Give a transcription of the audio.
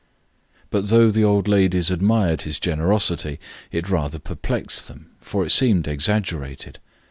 But though the old ladies admired his generosity it rather perplexed them, for it seemed exaggerated.